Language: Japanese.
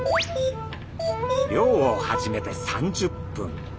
漁を始めて３０分。